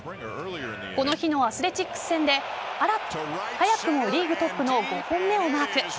この日のアスレチックス戦で早くもリーグトップの５本目をマーク。